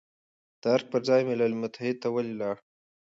د ارګ پر ځای ملل متحد ته ولې لاړ،